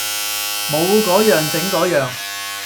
冇個樣整個樣